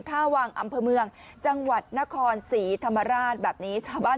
ท่าวังอำเภอเมืองจังหวัดนครศรีธรรมราชแบบนี้ชาวบ้าน